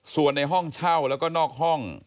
ส่วนในห้องเช่าแล้วก็นอกห้อง